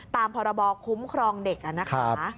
ตามพบคุ้มครองเด็ก